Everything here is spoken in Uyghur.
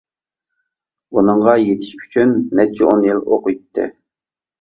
بۇنىڭغا يېتىش ئۈچۈن نەچچە ئون يىل ئوقۇيتتى.